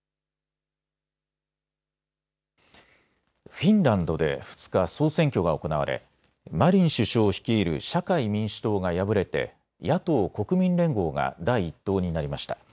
フィンランドで２日、総選挙が行われマリン首相率いる社会民主党が敗れて野党・国民連合が第１党になりました。